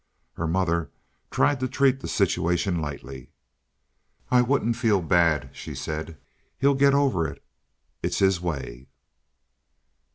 Her mother tried to treat the situation lightly. "I wouldn't feel bad," she said. "He'll get over it. It's his way."